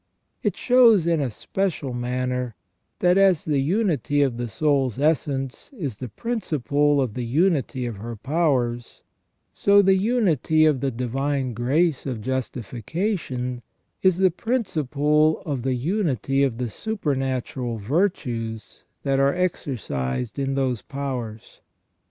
It shows in a special manner, that as the unity of the soul's essence is the principle of the unity of her powers, so the unity of the divine grace of justification is the principle of the unity of the supernatural virtues that are exercised in those powers.